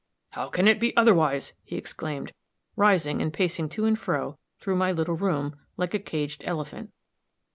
"How can it be otherwise?" he exclaimed, rising and pacing to and fro through my little room, like a caged elephant.